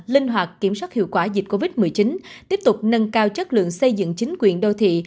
linh hoạt kiểm soát hiệu quả dịch covid một mươi chín tiếp tục nâng cao chất lượng xây dựng chính quyền đô thị